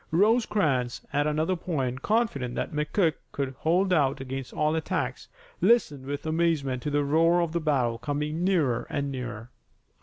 Rosecrans, at another point, confident that McCook could hold out against all attacks, listened with amazement to the roar of battle coming nearer and nearer.